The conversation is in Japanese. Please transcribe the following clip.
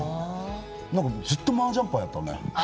ずっとマージャン牌あったね。